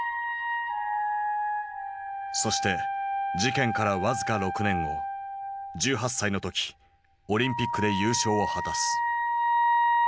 そして事件から僅か６年後１８歳の時オリンピックで優勝を果たす。